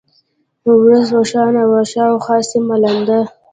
ورځ روښانه وه، شاوخوا سیمه لنده.